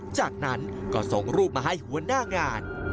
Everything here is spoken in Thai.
จากนั้นก็ส่งรูปมาให้หัวหน้างาน